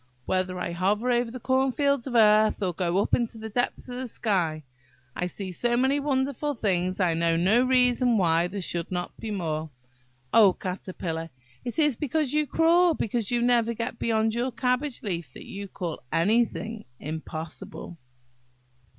"Whether I hover over the corn fields of earth, or go up into the depths of the sky, I see so many wonderful things, I know no reason why there should not be more. Oh, Caterpillar! it is because you crawl, because you never get beyond your cabbage leaf, that you call any thing impossible."